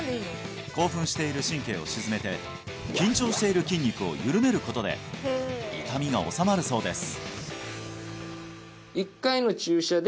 興奮している神経を鎮めて緊張している筋肉を緩めることで痛みが治まるそうです